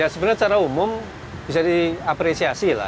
ya sebenarnya secara umum bisa diapresiasi lah